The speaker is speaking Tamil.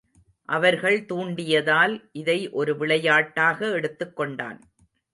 அவர்கள் தூண்டியதால் இதை ஒரு விளையாட்டாக எடுத்துக் கொண்டான்.